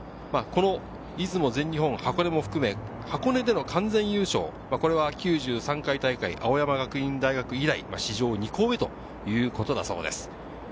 出雲、全日本、箱根も含め箱根での完全優勝、これは９３回大会、青山学院大学以来、史上２校目ということだそうです。